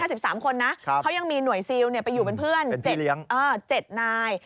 คนนะเขายังมีหน่วยซิลไปอยู่เป็นเพื่อน๗นาย